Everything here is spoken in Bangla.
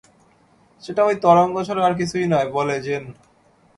সেটা ঐ তরঙ্গ ছাড়া আর কিছুই নয় বলে জেন।